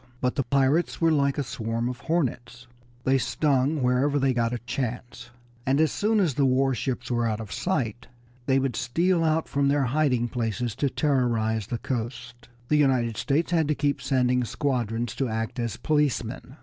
But the pirates were like a swarm of hornets; they stung wherever they got a chance, and as soon as the war ships were out of sight they would steal out from their hiding places to terrorize the coast. The United States had to keep sending squadrons to act as policemen.